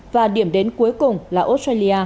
và điểm đến cuối cùng là australia